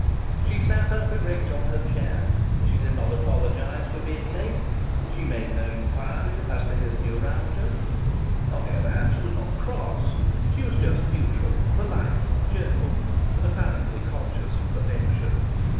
She sat up erect on her chair. She did not apologize for being late. She made no inquiry as to his neuralgia. On the other hand, she was not cross. She was just neutral, polite, cheerful, and apparently conscious of perfection.